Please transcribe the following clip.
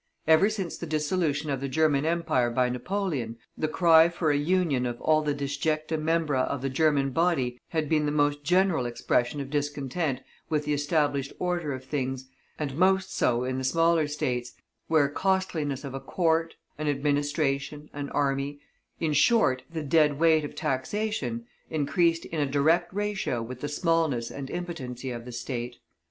Ever since the dissolution of the German Empire by Napoleon, the cry for a union of all the disjecta membra of the German body had been the most general expression of discontent with the established order of things, and most so in the smaller States, where costliness of a court, an administration, an army, in short, the dead weight of taxation, increased in a direct ratio with the smallness and impotency of the State.